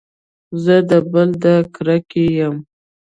زه د بل د کرکې يم.